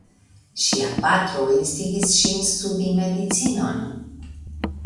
Ŝia patro instigis ŝin studi medicinon.